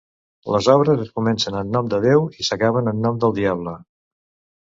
Les obres es comencen en nom de Déu i s'acaben en nom del diable.